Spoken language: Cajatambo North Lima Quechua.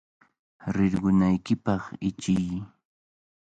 ¡Rirqunaykipaq ichiy!